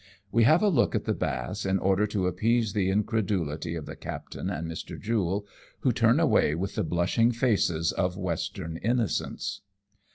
We have a look at the baths in order to appease the incredulity of the captain and Mr. Jule, who turn away with the blushing faces of Western innocence.